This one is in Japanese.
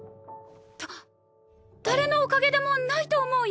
だ誰のおかげでもないと思うよ？